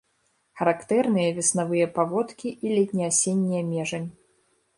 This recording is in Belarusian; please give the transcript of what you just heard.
Характэрныя веснавыя паводкі і летне-асенняя межань.